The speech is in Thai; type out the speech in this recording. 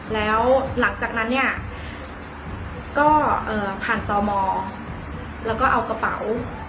แล้วหลังจากนั้นเนี่ยก็ผ่านตมแล้วก็เอากระเป๋า